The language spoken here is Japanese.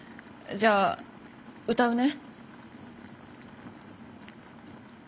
じゃあ歌うね。